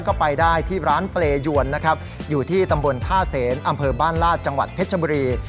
ก็ไปได้ที่ร้านเปรยวนนะครับอยู่ที่ตำบลท่าเสนอำเภอบ้านลาดจังหวัดเพชรบุรี